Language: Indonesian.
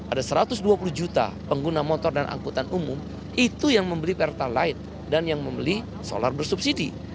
ada satu ratus dua puluh juta pengguna motor dan angkutan umum itu yang membeli pertalite dan yang membeli solar bersubsidi